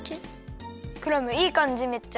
クラムいいかんじめっちゃ。